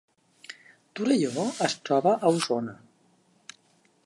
Torelló es troba a Osona